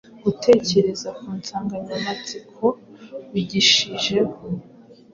Gutekereza ku nsanganyamatsiko bigishijeho